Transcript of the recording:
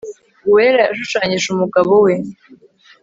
uwera yashushanyije umugabo we